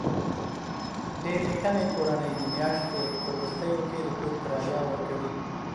ډېرې کمې کورنۍ د میاشتې په وروستیو کې د کور کرایه ورکوي.